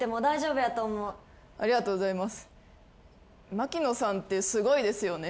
マキノさんってすごいですよね。